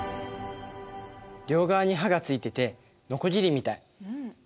両側に刃がついててのこぎりみたい。